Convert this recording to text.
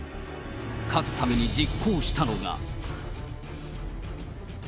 勝つために実行したのが。